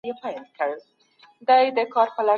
سود د غریبانو د تباهۍ لامل دی.